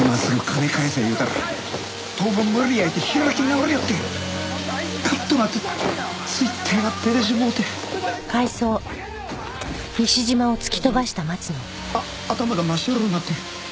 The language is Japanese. わしあ頭が真っ白になって。